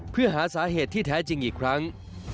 เพื่อหาสาเหตุที่แท้จริงอีกครั้ง